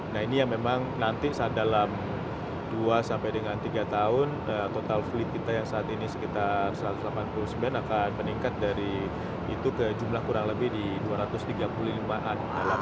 nah ini yang memang nanti dalam dua sampai dengan tiga tahun total fleet kita yang saat ini sekitar satu ratus delapan puluh sembilan akan meningkat dari itu ke jumlah kurang lebih di dua ratus tiga puluh lima an